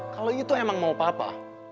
kalau itu emang mau papa